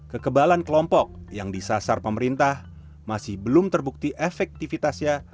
kekebalan kelompok yang disasar pemerintah masih belum terbukti efektifitasnya